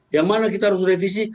yang mana kita harus revisi